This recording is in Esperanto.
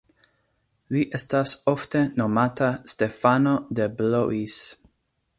Li estas ofte nomata Stefano de Blois.